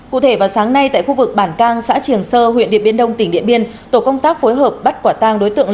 cụ thể vào sáng nay tại khu vực bản cang xã triển sơ huyện điện biên đông tỉnh điện biên tổ công tác phối hợp bắt quả tang đối tượng